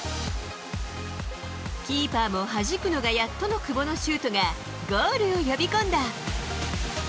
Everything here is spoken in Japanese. キーパーもはじくのがやっとの久保のシュートが、ゴールを呼び込んだ。